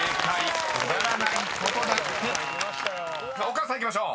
［丘さんいきましょう］